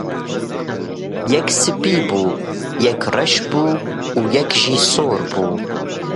Yek spî bû, yek reş bû û yek jî sor bû.